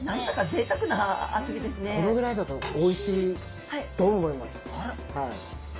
何だかこのぐらいだとおいしいと思います。